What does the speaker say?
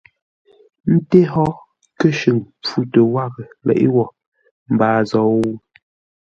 Ńté hó kə́shʉŋ pfutə́ wághʼə leʼé wo mbaa zou?